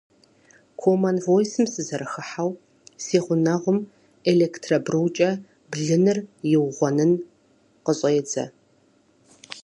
Комон Войсым сызэрыхыхьэу, си гъунэгъум электробрукӏэ блыныр иугъуэнын къыщӏедзэ!